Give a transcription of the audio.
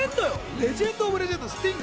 レジェンド・オブ・レジェンド、スティング。